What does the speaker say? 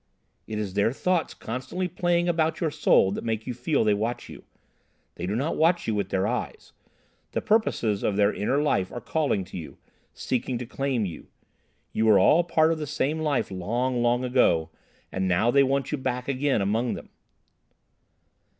"It is their thoughts constantly playing about your soul that makes you feel they watch you. They do not watch you with their eyes. The purposes of their inner life are calling to you, seeking to claim you. You were all part of the same life long, long ago, and now they want you back again among them."